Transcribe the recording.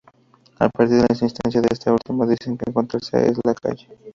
A partir de la insistencia de este último deciden encontrarse en la calle.